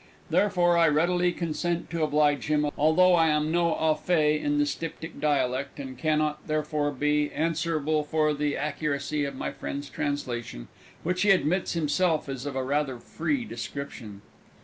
Therefore I readily consented to oblige him, although I am no au fait in the Styptic dialect, and cannot therefore be held answerable for the accuracy of my friend's translation, which he admits himself is of a rather free description.